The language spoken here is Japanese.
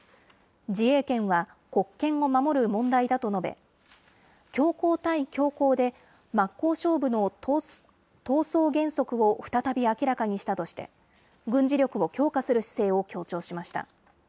自衛権は国権を守る問題だと述べ、強硬対強硬で真っ向勝負の闘争原則を再び明らかにしたとして、軍事力を強化する姿勢を強調しました。